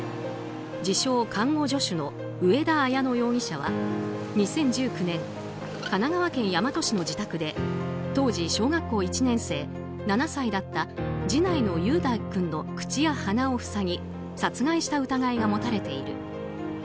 自称看護助手の上田綾乃容疑者は２０１９年神奈川県大和市の自宅で当時小学校１年生７歳だった次男の雄大君の口や鼻を塞ぎ殺害した疑いが持たれている。